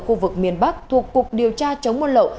khu vực miền bắc thuộc cục điều tra chống buôn lậu